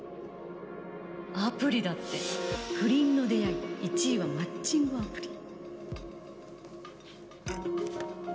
アプリだって不倫の出会い１位はマッチングアプリ。